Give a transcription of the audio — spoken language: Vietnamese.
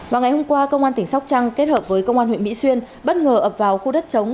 vào ngày hôm qua công an tỉnh sóc trăng kết hợp với công an huyện mỹ xuyên bất ngờ ập vào khu đất chống